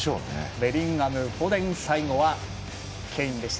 ベリンガム、フォデン最後はケインでした。